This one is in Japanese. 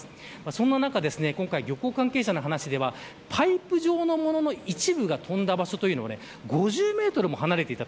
そんな中、今回漁港関係者の話ではパイプ状のものの一部が飛んだ場所というのは５０メートルも離れていた。